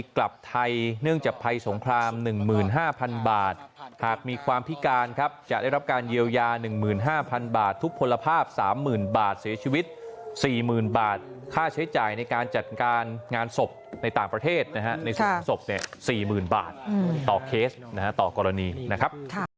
ก็จะมีรถออก๔๐๐๐๐บาทต่อกรณีนะครับ